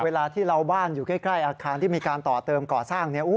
เวลาที่เราบ้านอยู่ใกล้อาคารที่มีการต่อเติมก่อสร้าง